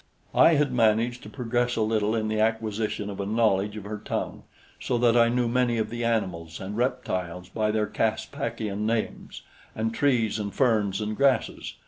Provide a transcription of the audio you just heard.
I had managed to progress a little in the acquisition of a knowledge of her tongue, so that I knew many of the animals and reptiles by their Caspakian names, and trees and ferns and grasses.